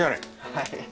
はい。